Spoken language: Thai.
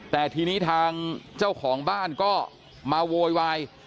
แต่ทีนี้ทางเจ้าของบ้านก็มาโวยวาย